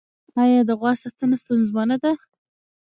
آیا د غوا ساتنه ستونزمنه ده؟